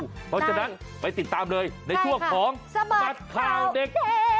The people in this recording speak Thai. เพราะฉะนั้นไปติดตามเลยในช่วงของสบัดข่าวเด็ก